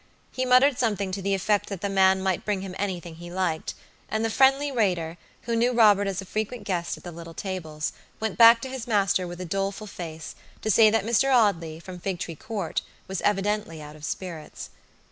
He muttered something to the effect that the man might bring him anything he liked, and the friendly waiter, who knew Robert as a frequent guest at the little tables, went back to his master with a doleful face, to say that Mr. Audley, from Figtree Court, was evidently out of spirits.